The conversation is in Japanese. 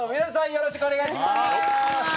よろしくお願いします。